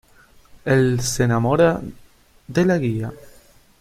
Él se enamora de la guía.